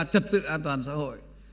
trật tự an toàn xã hội